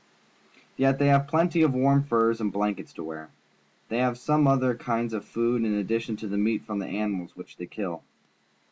Yet they have plenty of warm furs and blankets to wear. They have some other kinds of food in addition to the meat from the animals which they kill.